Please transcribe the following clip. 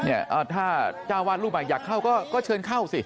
ถ้าเจ้าวาดรูปใหม่อยากเข้าก็เชิญเข้าสิ